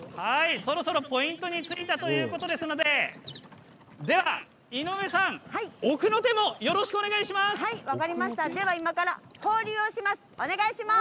そろそろポイントに着いたということですので、では井上さんでは今から放流します。